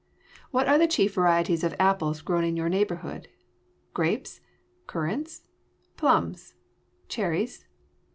What are the chief varieties of apples grown in your neighborhood? grapes? currants? plums? cherries?